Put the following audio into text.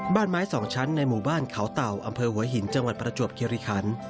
บ้านไม้๒ชั้นในหมู่บ้านเขาเต่าอำเภอหัวหินจังหวัดประจวบคิริคัน